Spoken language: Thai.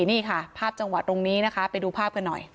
นี่ค่ะภาพจังหวัดตรงนี้นะคะไปดูภาพกันหน่อย